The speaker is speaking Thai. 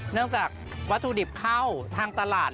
เนื่องจากวัตถุดิบเข้าทางตลาด